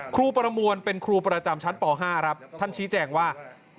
ครูประมวลเป็นครูประจำชั้นป๕ครับท่านชี้แจงว่า